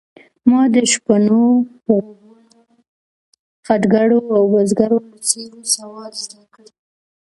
ما د شپنو، غوبنو، خټګرو او بزګرو له څېرو سواد زده کړ.